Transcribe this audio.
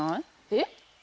えっ？